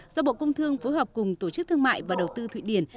do bộ công thương phối hợp cùng tổ chức thương mại và đầu tư thụy điển